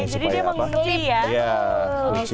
jadi dia mengunci ya